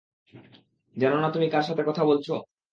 জানো না তুমি কার সাথে কথা বলছো?